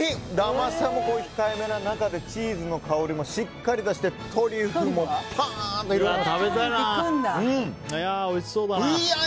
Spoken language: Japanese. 甘さも控えめな中でチーズの香りもしっかり出してトリュフもパーンと広がります。